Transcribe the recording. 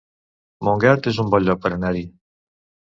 Montgat es un bon lloc per anar-hi